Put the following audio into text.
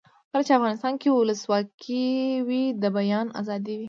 کله چې افغانستان کې ولسواکي وي د بیان آزادي وي.